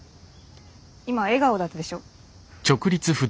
今笑顔だったでしょ？